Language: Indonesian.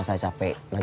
super kekasih bang